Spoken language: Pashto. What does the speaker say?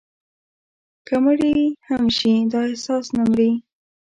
که مړي هم شي، دا احساس نه مري»